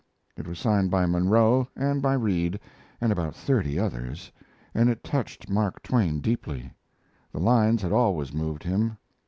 It was signed by Munro and by Reid and about thirty others, and it touched Mark Twain deeply. The lines had always moved him.